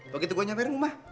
waktu itu gue nyamper rumah